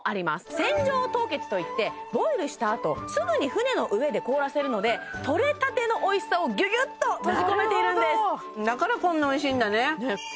船上凍結といってボイルしたあとすぐに船の上で凍らせるのでとれたてのおいしさをギュギュッと閉じ込めているんですだからこんなおいしいんだね